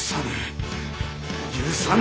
許さぬ。